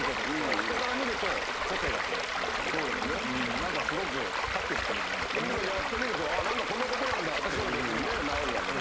なんかすごく、ハッピーな気いざやってみると、なんだ、こんなことなんだっていうふうになるわけで。